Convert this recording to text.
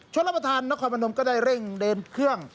รับประทานนครพนมก็ได้เร่งเดินเครื่อง